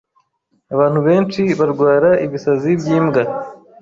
Abantu benshi barwara ibisazi by’ imbwa